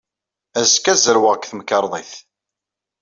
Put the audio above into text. Azekka, ad zerweɣ deg temkarḍit.